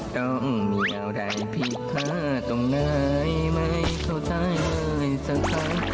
ต้องมีอะไรผิดถ้าต้องไหนไม่เข้าใจเลยสักครั้ง